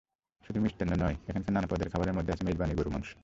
শুধু মিষ্টান্ন নয়, এখানকার নানা পদের খাবারের মধ্যে আছে মেজবানি গরুর মাংস।